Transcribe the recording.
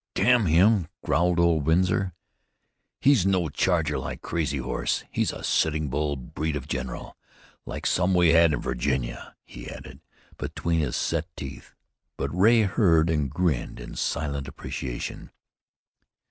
"Damn him!" growled old Winsor. "He's no charger like Crazy Horse. He's a Sitting Bull breed of general like some we had in Virginia," he added, between his set teeth, but Ray heard and grinned in silent appreciation.